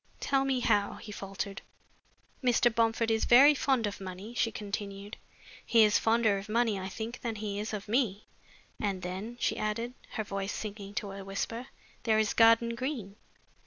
"Tell me how?" he faltered. "Mr. Bomford is very fond of money," she continued. "He is fonder of money, I think, than he is of me. And then," she added, her voice sinking to a whisper, "there is Garden Green.